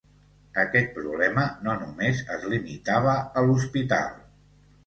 Aquest problema no només es limitava a l"hospital.